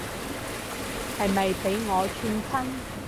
係咪畀我串親